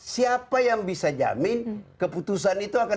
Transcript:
siapa yang bisa jamin keputusan itu akan